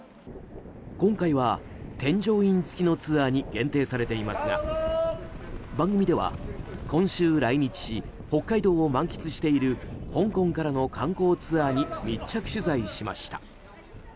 今回は、添乗員付きのツアーに限定されていますが番組では今週来日し北海道を満喫している香港からの観光ツアーに密着取材しました。